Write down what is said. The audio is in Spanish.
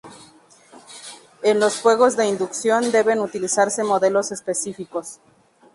En los fuegos de inducción deben utilizarse modelos específicos.